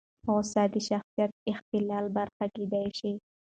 غوسه د شخصیت اختلال برخه کېدای شي.